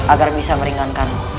agar bisa meringankanku